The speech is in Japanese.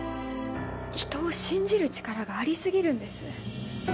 人を信じる力があり過ぎるんです。